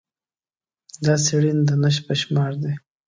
دا څېړنې د نشت په شمار دي.